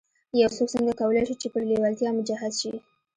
يو څوک څنګه کولای شي چې پر لېوالتیا مجهز شي.